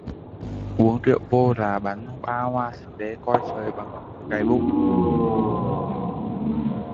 Uống rượu vô là hắn ba hoa xích đế, coi trời bằng cái vung